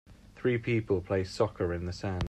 three people play soccer in the sand.